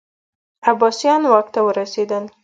عباسیان واک ته ورسېدل